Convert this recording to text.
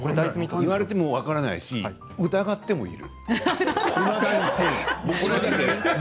呼ばれても分からないし疑ってもいる。